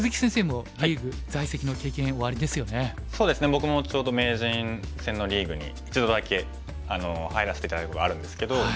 僕もちょうど名人戦のリーグに一度だけ入らせて頂いたことあるんですけど。